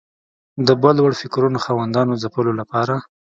د بل وړ فکرونو خاوندانو ځپلو لپاره